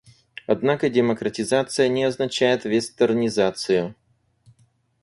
Однако демократизация не означает «вестернизацию».